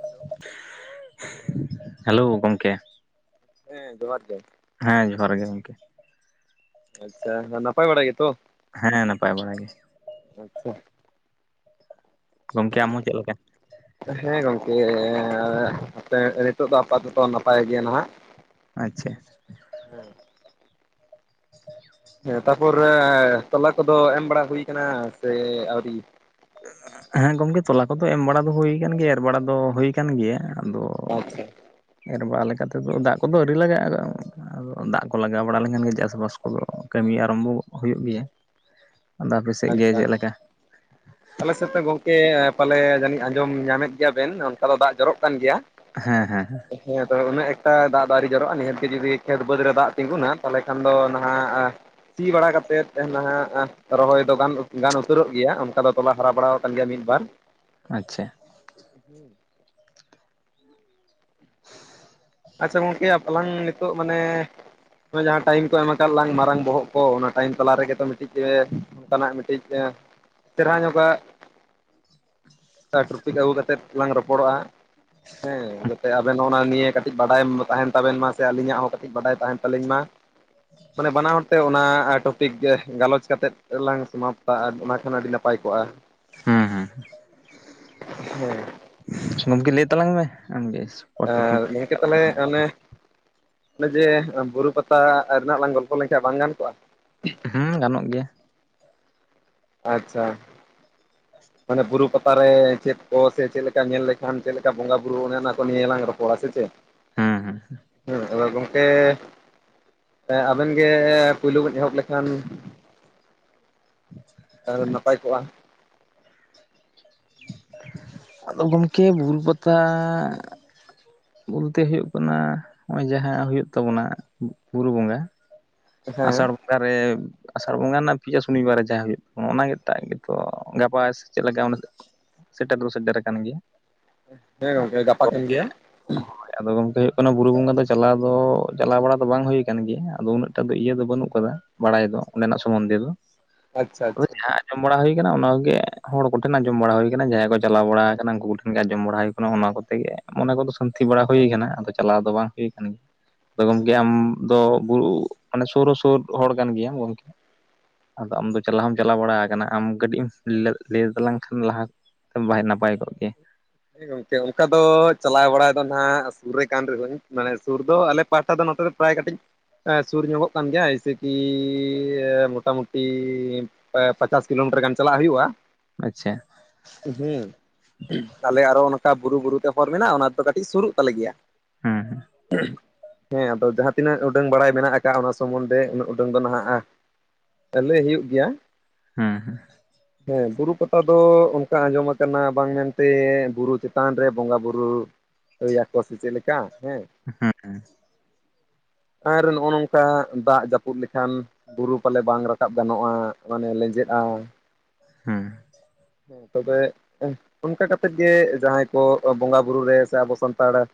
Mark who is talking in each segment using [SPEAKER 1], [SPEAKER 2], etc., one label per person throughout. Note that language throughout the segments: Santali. [SPEAKER 1] ᱦᱮᱞᱳ ᱾
[SPEAKER 2] [inaudible] ᱦᱮᱞᱳ ᱜᱚᱝᱠᱮ ᱾
[SPEAKER 1] ᱦᱮᱸ ᱡᱚᱦᱟᱨ ᱜᱮ ᱾
[SPEAKER 2] ᱦᱮᱸ ᱡᱚᱦᱟᱨ ᱜᱮ ᱜᱚᱝᱠᱮ ᱾
[SPEAKER 1] ᱟᱪᱪᱷᱟ, ᱱᱟᱯᱟᱭ ᱵᱟᱲᱟ ᱜᱮᱛᱚ?
[SPEAKER 2] ᱦᱮᱸ ᱱᱟᱯᱟᱭ ᱵᱟᱲᱟ ᱜᱮ
[SPEAKER 1] [inaudible] ᱟᱪᱪᱷᱟ ᱾
[SPEAKER 2] ᱜᱚᱝᱠᱮ ᱟᱢ ᱦᱚᱸ ᱪᱮᱫ ᱞᱮᱠᱟ?
[SPEAKER 1] ᱦᱮᱸ ᱜᱚᱝᱠᱮ ᱦᱟᱯᱮ ᱱᱤᱛᱚᱜ ᱫᱚ ᱟᱯᱟᱛᱚᱛᱚ ᱱᱟᱯᱟᱭ ᱜᱮ ᱱᱟᱦᱟᱜ ᱾
[SPEAKER 2] ᱟᱪᱪᱷᱟ ᱾
[SPEAKER 1] ᱦᱮᱸ ᱾ ᱦᱮᱸ ᱛᱟᱯᱚᱨᱮ ᱛᱚᱞᱟ ᱠᱚᱫᱚ ᱮᱢ ᱵᱟᱲᱟ ᱦᱩᱭ ᱟᱠᱟᱱᱟ ᱥᱮ ᱟᱹᱣᱨᱤ?
[SPEAKER 2] ᱦᱮᱸ ᱜᱚᱢᱠᱮ ᱛᱚᱞᱟ ᱠᱚᱫᱚ ᱮᱢ ᱵᱟᱲᱟ ᱫᱚ ᱦᱩᱭ ᱟᱠᱟᱱ ᱜᱮᱭᱟ, ᱮᱨ ᱵᱟᱲᱟ ᱫᱚ ᱦᱩᱭ ᱟᱠᱟᱱ ᱜᱮᱭᱟ ᱾ ᱟᱫᱚ
[SPEAKER 1] ᱟᱪᱪᱷᱟ
[SPEAKER 2] ᱮᱨ ᱵᱟᱲᱟ ᱞᱮᱠᱟ ᱛᱮᱫᱚ ᱫᱟᱜ ᱠᱚᱫᱚ ᱟᱹᱣᱨᱤ ᱞᱟᱜᱟᱜᱼᱟ ᱟᱫᱚ ᱟᱫᱚ ᱫᱟᱜ ᱠᱚ ᱞᱟᱜᱟᱣ ᱵᱟᱲᱟ ᱞᱮᱠᱷᱟᱱ ᱜᱮ ᱪᱟᱥᱵᱟᱥ ᱠᱚᱫᱚ ᱠᱟᱹᱢᱤ ᱟᱨᱟᱢᱵᱚ ᱦᱩᱭᱩᱜ ᱜᱮᱭᱟ ᱾ ᱟᱫᱚ ᱟᱯᱮ ᱥᱮᱫ ᱜᱮ
[SPEAKER 1] ᱟᱪᱪᱷᱟ
[SPEAKER 2] ᱪᱮᱫ
[SPEAKER 1] ᱟᱪᱪᱷᱟ
[SPEAKER 2] ᱞᱮᱠᱟ?
[SPEAKER 1] ᱟᱞᱮ ᱥᱮᱫ ᱜᱚᱝᱠᱮ ᱯᱟᱞᱮ ᱡᱟᱹᱱᱤᱡ ᱟᱸᱡᱚᱢ ᱧᱟᱢᱮᱫ ᱜᱮᱭᱟ ᱵᱮᱱ ᱚᱱᱠᱟ ᱫᱚ ᱫᱟᱜ ᱡᱚᱨᱚᱜ ᱠᱟᱱ ᱜᱮᱭᱟ ᱾
[SPEAKER 2] ᱦᱮᱸ ᱦᱮᱸ ᱦᱮᱸ ᱾
[SPEAKER 1] ᱦᱮᱸ ᱟᱫᱚ ᱩᱱᱟᱹᱜ ᱮᱠᱴᱟ ᱫᱟᱜ ᱫᱚ ᱟᱣᱨᱤ ᱡᱟᱨᱟᱜᱼᱟ ᱱᱤᱦᱛ ᱜᱮ ᱡᱩᱫᱤ ᱠᱷᱮᱛ ᱵᱟᱹᱫᱽ ᱨᱮ ᱫᱟᱜ ᱛᱤᱸᱜᱩᱱᱟ ᱛᱟᱦᱚᱞᱮ ᱠᱷᱟᱱ ᱫᱚ ᱱᱟᱦᱟᱜ ᱥᱤ ᱵᱟᱲᱟ ᱠᱟᱛᱮᱫ ᱱᱟᱦᱟᱜ ᱨᱚᱦᱚᱭ ᱫᱚ ᱜᱟᱱ ᱫᱚ ᱜᱟᱱ ᱩᱛᱟᱹᱨᱚᱜ ᱜᱮᱭᱟ ᱚᱱᱠᱟ ᱫᱚ ᱛᱚᱞᱟ ᱦᱟᱨᱟ ᱵᱟᱲᱟ ᱟᱠᱟᱱ ᱜᱮᱭᱟ ᱢᱤᱫ ᱵᱟᱨ
[SPEAKER 2] ᱟᱪᱪᱷᱟ
[SPEAKER 1] ᱦᱩᱸ ᱟᱪᱪᱷᱟ ᱜᱚᱝᱠᱮ ᱟᱞᱟᱝ ᱱᱤᱛᱚᱜ ᱢᱟᱱᱮ ᱡᱟᱦᱟᱸ ᱴᱟᱭᱤᱢ ᱠᱚ ᱮᱢ ᱟᱠᱟᱫ ᱞᱟᱝ ᱢᱟᱨᱟᱝ ᱵᱚᱦᱚᱜ ᱠᱚ ᱚᱱᱟ ᱴᱟᱭᱤᱢ ᱛᱟᱞᱟ ᱨᱮᱜᱮ ᱛᱚ ᱢᱤᱫᱴᱤᱡ ᱚᱱᱠᱟᱱᱟᱜ ᱢᱤᱫᱴᱤᱡ ᱪᱮᱨᱦᱟ ᱧᱚ ᱜᱟᱜ ᱠᱟ ᱴᱨᱚᱯᱤᱠ ᱟᱹᱜᱩ ᱠᱟᱛᱮᱫ ᱞᱟᱝ ᱨᱚᱯᱚᱲᱚᱜᱼᱟ ᱦᱮᱸ ᱡᱟᱛᱮ ᱟᱵᱮᱱ ᱚᱱᱟ ᱱᱤᱭᱮ ᱠᱟᱹᱴᱤᱡ ᱵᱟᱰᱟᱭ ᱛᱟᱦᱮᱱ ᱛᱟᱵᱮᱱ ᱢᱟ ᱥᱮ ᱟᱹᱞᱤᱧᱟᱜ ᱦᱚᱸ ᱠᱟᱹᱴᱤᱡ ᱵᱟᱰᱟᱭ ᱛᱟᱦᱮᱱ ᱛᱟᱹᱞᱤᱧ ᱢᱟ ᱢᱟᱱᱮ ᱵᱟᱱᱟ ᱦᱚᱲ ᱛᱮ ᱚᱱᱟ ᱴᱚ ᱯᱤᱠ ᱜᱟᱞᱚᱪ ᱠᱟᱛᱮᱫ ᱞᱟᱝ ᱥᱚᱢᱟᱯ ᱟ ᱚᱱᱟ ᱠᱷᱟᱱ ᱟᱹᱰᱤ ᱱᱟᱯᱟᱭ ᱠᱚᱜ-ᱟ
[SPEAKER 2] ᱦᱮᱸ ᱦᱮᱸ
[SPEAKER 1] ᱦᱮᱸ
[SPEAKER 2] ᱜᱚᱢᱠᱮ ᱞᱟᱹᱭ ᱛᱟᱞᱟᱝ ᱢᱮ ᱟᱢᱜᱮ ᱦᱚᱴ
[SPEAKER 1] ᱟᱨ
[SPEAKER 2] ᱴᱚᱯᱤᱠ
[SPEAKER 1] [unintelligible] ᱛᱟᱞᱦᱮ ᱚᱱᱮ ᱚᱱᱮ ᱡᱮ ᱵᱩᱨᱩ ᱯᱟᱛᱟ ᱨᱮᱱᱟᱜ ᱞᱟᱝ ᱜᱚᱞᱯᱚ ᱞᱮᱱᱠᱷᱟᱱ ᱵᱟᱝ ᱜᱟᱱ ᱠᱚᱜ-ᱟ
[SPEAKER 2] ᱦᱩᱸ ᱜᱟᱱᱚᱜ ᱜᱮᱭᱟ
[SPEAKER 1] ᱟᱪᱪᱷᱟ ᱢᱟᱱᱮ ᱵᱩᱨᱩ ᱯᱟᱛᱟᱨᱮ ᱪᱮᱫ ᱠᱚ ᱥᱮ ᱪᱮᱫ ᱞᱮᱠᱟ ᱧᱮᱞ ᱞᱮᱠᱷᱟᱱ ᱪᱮᱫ ᱞᱮᱠᱟ ᱵᱚᱸᱜᱟ ᱵᱩᱨᱩ ᱚᱱᱮ ᱚᱱᱟ ᱠᱚ ᱱᱤᱭᱟᱹᱞᱟᱝ ᱨᱚᱯᱚᱲᱟ ᱥᱮ ᱪᱮᱫ?
[SPEAKER 2] ᱦᱮᱸ ᱦᱮᱸ
[SPEAKER 1] ᱦᱮᱸ ᱟᱫᱚ ᱜᱚᱝᱠᱮ ᱟᱵᱮᱱ ᱜᱮ ᱯᱳᱭᱞᱳ ᱵᱮᱱ ᱮᱦᱚᱵ ᱞᱮᱠᱷᱟᱱ ᱟᱨ ᱱᱟᱯᱟᱭ
[SPEAKER 2] ᱟᱪᱪᱷᱟ
[SPEAKER 1] ᱠᱚᱜ-ᱟ
[SPEAKER 2] ᱟᱫᱚ ᱜᱚᱝᱠᱮ ᱵᱩᱨᱩ ᱯᱟᱛᱟ ᱵᱚᱞᱛᱮ ᱦᱩᱭᱩᱜ ᱠᱟᱱᱟ ᱦᱚᱸᱜ-ᱚᱭ ᱡᱟᱦᱟᱸᱦᱩᱭᱩᱜ ᱛᱟᱵᱚᱱᱟ ᱵᱩᱨᱩ ᱵᱚᱸᱜᱟ
[SPEAKER 1] ᱦᱮᱸ
[SPEAKER 2] ᱟᱥᱟᱲ ᱵᱚᱸᱜᱟ ᱨᱮ ᱟᱥᱟᱲ ᱵᱚᱸᱜᱟ ᱨᱮᱱᱟᱜ ᱯᱤᱭᱟ ᱥᱩᱱᱤ ᱵᱟᱨᱮ ᱡᱟᱦᱟᱸ ᱦᱩᱭᱩᱜ ᱛᱟᱵᱱᱟ, ᱚᱱᱟ ᱴᱟᱜ ᱜᱮᱛᱚ ᱜᱟᱯᱟ ᱥᱮ ᱪᱮᱫ ᱞᱮᱠᱟ? ᱥᱮᱴᱮᱨ ᱫᱚ ᱥᱮᱴᱮᱨ ᱟᱠᱟᱱ ᱜᱮᱭᱟ
[SPEAKER 1] ᱦᱮᱸ ᱜᱚᱝᱠᱮ ᱜᱟᱯᱟ ᱠᱟᱱ ᱜᱮᱭᱟ
[SPEAKER 2] ᱦᱚᱭ ᱟᱫᱚ ᱜᱚᱝᱠᱮ ᱦᱩᱭᱩᱜ ᱠᱟᱱᱟ ᱵᱩᱨᱩ ᱵᱚᱸᱜᱟ ᱫᱚ ᱪᱟᱞᱟᱣ ᱫᱚ ᱪᱟᱞᱟᱣ ᱵᱟᱲᱟ ᱫᱚ ᱵᱟᱝ ᱦᱩᱭ ᱟᱠᱟᱱ ᱜᱮᱭᱟ ᱟᱫᱚ ᱩᱱᱟᱹᱜ ᱴᱟᱜ ᱫᱚ ᱤᱭᱟᱹ ᱫᱚ ᱵᱟᱹᱱᱩᱜ ᱟᱠᱟᱫᱟ ᱵᱟᱲᱟᱭ ᱫᱚ ᱚᱸᱰᱮᱱᱟᱜ ᱥᱚᱢᱚᱱᱫᱷᱮ ᱫᱚ
[SPEAKER 1] ᱟᱪᱪᱷᱟ ᱟᱪᱪᱷᱟ᱾
[SPEAKER 2] ᱟᱸᱡᱚᱢ ᱵᱟᱲᱟ ᱦᱩᱭ ᱟᱠᱟᱱᱟ ᱚᱱᱟ ᱠᱚᱜᱮ ᱦᱚᱲ ᱠᱚᱴᱦᱮᱱ ᱟᱸᱡᱚᱢ ᱵᱟᱲᱟ ᱦᱩᱭ ᱠᱟᱱᱟ ᱡᱟᱦᱟᱸᱭ ᱠᱚ ᱪᱟᱞᱟᱣ ᱵᱟᱲᱟ ᱟᱠᱟᱱᱟ ᱩᱱᱠᱩ ᱠᱚ ᱴᱷᱮᱱ ᱜᱮ ᱟᱸᱡᱚᱢ ᱵᱟᱲᱟ ᱦᱩᱭ ᱟᱠᱟᱱᱟ ᱚᱱᱮ ᱚᱱᱟ ᱠᱚᱛᱮ ᱜᱮ ᱢᱚᱱᱮ ᱠᱚᱫᱚ ᱥᱟᱹᱱᱛᱤ ᱵᱟᱲᱟ ᱦᱩᱭ ᱠᱟᱱᱟ ᱟᱫᱚ ᱪᱟᱞᱟᱣ ᱫᱚ ᱵᱟᱝ ᱦᱩᱭ ᱠᱟᱱᱟ ᱟᱫᱚ ᱜᱚᱞᱠᱮ ᱟᱢ ᱫᱚ ᱵᱩᱨᱩ ᱢᱟᱱᱮ ᱥᱩᱨ ᱦᱚᱸ ᱥᱩᱨ ᱦᱚᱲ ᱠᱟᱱ ᱜᱮᱭᱟᱢ ᱜᱚᱝᱠᱮ ᱟᱫᱚ ᱟᱢᱫᱚ ᱪᱟᱞᱟᱣ ᱦᱚᱢ ᱪᱟᱞᱟᱣ ᱵᱟᱲᱟ ᱟᱠᱟᱱᱟ ᱟᱢ ᱠᱟᱹᱴᱤᱡ ᱮᱢ ᱞᱟᱹ ᱞᱟᱹᱭ ᱛᱟᱞᱟᱝ ᱠᱷᱟᱱ ᱞᱟᱦᱟ ᱱᱟᱯᱟᱭ ᱠᱚᱜ ᱠᱮᱭᱟ
[SPEAKER 1] ᱦᱮᱸ ᱜᱚᱝᱠᱮ ᱚᱱᱠᱟ ᱫᱚ ᱪᱟᱞᱟᱣ ᱵᱟᱲᱟ ᱫᱚ ᱱᱟᱦᱟᱜ ᱥᱩᱨ ᱨᱮ ᱠᱟᱱ ᱨᱮᱦᱚᱸᱧ ᱢᱟᱱᱮ ᱥᱩᱨ ᱫᱚ ᱟᱞᱮ ᱯᱟᱦᱴᱟ ᱫᱚ ᱱᱚᱛᱮ ᱫᱚ ᱯᱨᱟᱭ ᱠᱟᱹᱴᱤᱡ ᱮᱸ ᱥᱩᱨ ᱧᱚᱜᱚᱜ ᱠᱟᱱ ᱜᱮᱭᱟ ᱮᱭᱥᱮ ᱠᱤ ᱢᱚᱴᱟᱢᱩᱴᱤ ᱮᱸ ᱯᱟᱪᱟᱥ ᱠᱤᱞᱳᱢᱤᱴᱟᱨ ᱜᱟᱱ ᱪᱟᱞᱟᱜ ᱦᱩᱭᱩᱜ-ᱟ
[SPEAKER 2] ᱟᱪᱪᱷᱟ
[SPEAKER 1] ᱦᱩᱸ ᱛᱟᱦᱞᱮ ᱟᱨᱚ ᱚᱱᱠᱟ ᱵᱩᱨᱩ ᱵᱩᱨᱩ ᱛᱮ ᱦᱚᱨ ᱢᱮᱱᱟᱜ ᱚᱱᱟ ᱫᱚ ᱠᱟᱹᱴᱤᱡ ᱥᱩᱨᱩᱜ ᱛᱟᱞᱮ ᱜᱮᱭᱟ
[SPEAKER 2] ᱦᱮᱸ
[SPEAKER 1] ᱦᱮᱸ ᱟᱫᱚ ᱡᱟᱦᱟᱸ ᱛᱤᱱᱟᱹᱜ ᱩᱰᱟᱹᱝ ᱵᱟᱲᱟᱭ ᱢᱮᱱᱟᱜ ᱟᱠᱟᱫ, ᱚᱱᱟ ᱥᱚᱢᱢᱚᱱᱫᱷᱮ ᱩᱱᱟᱹᱜ ᱩᱰᱟᱹᱝ ᱫᱚ ᱱᱟᱦᱟᱜ-ᱟ᱾ ᱛᱟᱦᱞᱮ ᱦᱩᱭᱩᱜ ᱜᱮᱭᱟ᱾
[SPEAKER 2] ᱦᱮᱸ ᱦᱮᱸ
[SPEAKER 1] ᱦᱮᱸ ᱵᱩᱨᱩ ᱯᱟᱛᱟ ᱫᱚ ᱚᱱᱠᱟ ᱟᱸᱡᱚᱢ ᱟᱠᱟᱱᱟ ᱵᱟᱝ ᱢᱮᱱ ᱱᱚᱛᱮ ᱵᱩᱨᱩ ᱪᱮᱛᱟᱱ ᱨᱮ ᱵᱚᱸᱜᱟ ᱵᱩᱨᱩ ᱦᱩᱭ ᱟᱠᱚᱣᱟ ᱥᱮ ᱪᱮᱫ ᱞᱮᱠᱟ, ᱦᱮᱸ
[SPEAKER 2] ᱦᱮᱸ ᱦᱮᱸ
[SPEAKER 1] ᱟᱨ ᱱᱚᱜ-ᱚ ᱱᱚᱝᱠᱟ ᱫᱟᱜ ᱡᱟᱹᱯᱩᱫ ᱞᱮᱠᱷᱟᱱ ᱵᱩᱨᱩ ᱯᱟᱞᱮ ᱵᱟᱝ ᱨᱟᱠᱟᱵ ᱜᱟᱱᱚᱜ-ᱟ, ᱢᱟᱱᱮ ᱞᱮᱸᱡᱮᱫ-ᱟ᱾
[SPEAKER 2] ᱦᱮᱸ
[SPEAKER 1] ᱛᱚᱵᱮ, ᱮᱸ ᱚᱱᱠᱟ ᱠᱟᱛᱮᱫ ᱜᱮ ᱡᱟᱸᱦᱟᱸᱭ ᱠᱚ ᱵᱚᱸᱜᱟ ᱵᱩᱨᱩ ᱨᱮ ᱥᱮ ᱟᱵᱚ ᱥᱟᱱᱛᱟᱲ, ᱟᱜ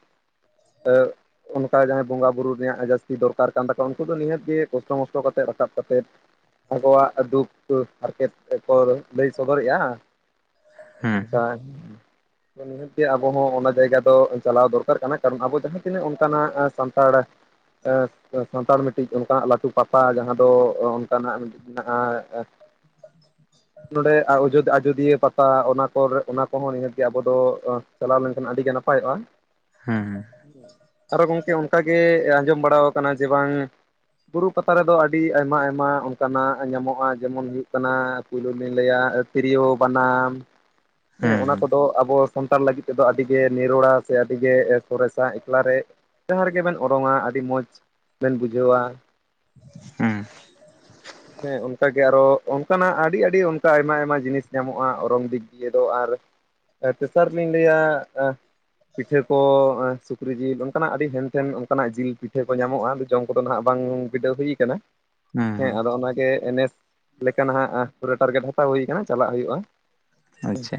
[SPEAKER 1] ᱚᱱᱠᱟ ᱡᱟᱦᱟᱸᱭ ᱵᱚᱸᱜᱟ ᱵᱩᱨᱩ ᱨᱮᱭᱟᱜ ᱡᱟᱹᱥᱛᱤ ᱫᱚᱨᱠᱟᱨ ᱠᱟᱱ ᱛᱟᱠᱚᱣᱟ, ᱩᱱᱠᱩ ᱫᱚ ᱱᱤᱦᱟᱹᱛ ᱜᱮ ᱠᱚᱥᱴᱚ ᱢᱚᱥᱴᱚ ᱠᱟᱛᱮᱫ ᱨᱟᱠᱟᱵ ᱠᱟᱛᱮᱫ ᱟᱠᱚᱣᱟᱜ ᱫᱩᱠ ᱦᱟᱨᱠᱮᱛ ᱛᱮᱠᱚ ᱞᱟᱹᱭ ᱥᱚᱫᱚᱨᱮᱜ-ᱟ᱾
[SPEAKER 2] ᱦᱩᱸ
[SPEAKER 1] ᱟᱪᱪᱷᱟ ᱱᱤᱦᱟᱹᱛ ᱜᱮ ᱟᱵᱚ ᱦᱚᱸ ᱚᱱᱟ ᱡᱟᱭᱜᱟ ᱫᱚ ᱪᱟᱞᱟᱣ ᱫᱚᱨᱠᱟᱨ ᱠᱟᱱᱟ, ᱠᱟᱨᱚᱱ ᱟᱵᱚ ᱡᱟᱦᱟᱸ ᱛᱤᱱᱟᱹᱜ ᱥᱟᱱᱛᱟᱲ ᱥᱟᱱᱛᱟᱲ ᱟ ᱥᱟᱱᱛᱟᱲ ᱢᱤᱫᱴᱤᱡ ᱚᱱᱠᱟᱱᱟᱜ ᱞᱟᱹᱴᱩ ᱯᱟᱛᱟ ᱡᱟᱸᱦᱟᱸ ᱫᱚ ᱚᱱᱠᱟᱱᱟᱜ ᱢᱤᱫᱴᱤᱡ ᱢᱮᱱᱟᱜᱼᱟ᱾ ᱱᱚᱸᱰᱮ ᱟᱡᱳ ᱟᱡᱳᱫᱤᱭᱟᱹ ᱯᱟᱛᱟ ᱚᱱᱟ, ᱯᱚᱨ ᱚᱱᱟ ᱠᱚᱦᱚᱸ ᱱᱤᱦᱟᱹᱛ ᱜᱮ ᱟᱵᱚ ᱫᱚ ᱪᱟᱞᱟᱣ ᱞᱮᱱᱠᱷᱟᱱ ᱟᱹᱰᱤᱜᱮ ᱱᱟᱯᱟᱭᱚᱜᱼᱟ᱾
[SPEAKER 2] ᱦᱩᱸ ᱦᱩᱸ
[SPEAKER 1] ᱟᱨᱚ ᱜᱚᱢᱠᱮ ᱚᱱᱠᱟᱜᱮ ᱟᱸᱡᱚᱢ ᱵᱟᱲᱟ ᱟᱠᱟᱱᱟ ᱡᱮ ᱵᱟᱝ ᱵᱩᱨᱩ ᱯᱟᱛᱟ ᱨᱮᱫᱚ ᱟᱹᱰᱤ ᱟᱭᱢᱟ ᱟᱭᱢᱟ ᱚᱱᱠᱟᱱᱟᱜ ᱧᱟᱢᱚᱜᱼᱟ, ᱡᱮᱢᱚᱱ ᱦᱩᱭᱩᱜ ᱠᱟᱱᱟ ᱯᱩᱭᱞᱩ ᱞᱤᱧ ᱞᱟᱹᱭᱟ ᱛᱤᱨᱭᱳ, ᱵᱟᱱᱟᱢ ᱦᱮᱸ ᱚᱱᱟ
[SPEAKER 2] ᱦᱩᱸ
[SPEAKER 1] ᱠᱚᱫᱚ ᱟᱵᱚ ᱥᱟᱱᱛᱟᱲ ᱞᱟᱹᱜᱤᱫ ᱛᱮᱫᱚ ᱟᱹᱰᱤ ᱜᱮ ᱱᱤᱨᱚᱲᱟ ᱥᱮ ᱟᱹᱰᱤᱜᱮ ᱥᱚᱨᱮᱥᱟ ᱮᱠᱞᱟ ᱨᱮ᱾ ᱡᱟᱸᱦᱟᱸ ᱨᱮᱜᱮ ᱵᱮᱱ ᱚᱨᱚᱝ-ᱟ ᱟᱹᱰᱤ ᱢᱚᱸᱡᱽ ᱵᱮᱱ ᱵᱩᱡᱷᱟᱹᱣᱟ᱾
[SPEAKER 2] ᱦᱮᱸ
[SPEAKER 1] ᱦᱮᱸ, ᱚᱱᱠᱟᱜᱮ ᱟᱨᱚ ᱚᱱᱠᱟᱱᱟᱜ ᱟᱹᱰᱤ ᱟᱹᱰᱤ ᱚᱱᱠᱟ ᱟᱭᱢᱟ ᱟᱭᱢᱟ ᱡᱤᱱᱤᱥ ᱧᱟᱢᱚᱜᱼᱟ ᱚᱨᱚᱝ ᱫᱤᱠ᱾ ᱤᱭᱟᱹ ᱫᱚ ᱟᱨ ᱛᱮᱥᱟᱨ ᱞᱤᱧ ᱞᱟᱹᱭᱟ ᱟ ᱯᱤᱴᱷᱟᱹ ᱠᱚ ᱥᱩᱠᱨᱤ ᱡᱤᱞ ᱚᱱᱠᱟᱱᱟᱜ ᱟᱹᱰᱤ ᱦᱮᱱᱛᱷᱮᱱ ᱚᱱᱠᱟᱱᱟᱜ ᱡᱤᱞ ᱯᱤᱴᱷᱟᱹ ᱠᱚ ᱧᱟᱢᱚᱜᱼᱟ, ᱟᱫᱚ ᱡᱚᱢ ᱠᱚᱫᱚ ᱱᱟᱦᱟᱸᱜ ᱵᱟᱝ ᱵᱤᱰᱟᱹᱣ ᱦᱩᱭ ᱟᱠᱟᱱᱟ᱾ ᱦᱮᱸ
[SPEAKER 2] ᱦᱩᱸ
[SPEAKER 1] ᱟᱫᱚ ᱚᱱᱟᱜᱮ ᱱᱮᱥ ᱞᱮᱠᱟ ᱱᱟᱦᱟᱸᱜ ᱯᱩᱨᱟᱹ ᱴᱟᱨᱜᱮᱴ ᱦᱟᱛᱟᱣ ᱦᱩᱭ ᱠᱟᱱᱟ, ᱪᱟᱞᱟᱜ ᱦᱩᱭᱩᱜᱼᱟ᱾
[SPEAKER 2] ᱟᱪᱪᱷᱟ